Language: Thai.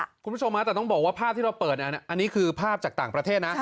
คุณผู้ชมแต่ต้องบอกว่าภาพที่เราเปิดอันนี้คือภาพจากต่างประเทศนะ